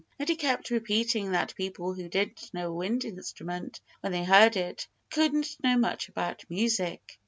And he kept repeating that people who didn't know a wind instrument when they heard it couldn't know much about music.